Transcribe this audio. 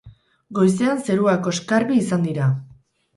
Goizean zeruak oskarbi izan dira.